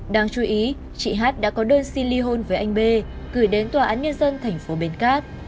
đáng chú ý chị hát đã có đơn xin ly hôn với anh b gửi đến tòa án nhân dân thành phố bến cát